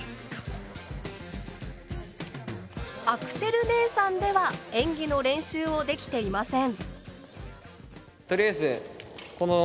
アクセル姉さんでは演技の練習をできていません。